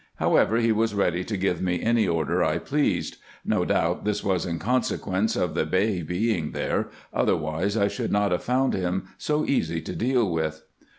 However, he was ready to give me any order I pleased. No doubt this was in consequence of the Bey being there, otherwise I should not have found him so easy to deal with.